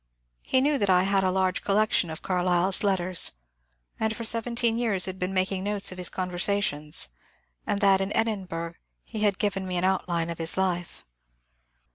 He knew that I had a large collection of Carlyle's letters, and for seventeen years had been making notes of his conversations, and that in Exlin burgh he had given me an outline of his life.